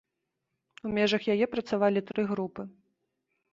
У межах яе працавалі тры групы.